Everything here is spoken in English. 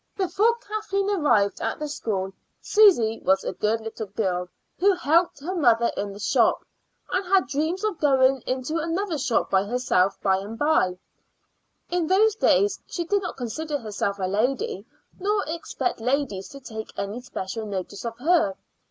Before Kathleen arrived at the school Susy was a good little girl, who helped her mother in the shop, and had dreams of going into another shop herself by and by. In those days she did not consider herself a lady, nor expect ladies to take any special notice of her.